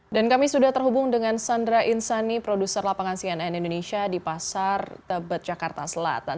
dan kami sudah terhubung dengan sandra insani produser lapangan cnn indonesia di pasar tebet jakarta selatan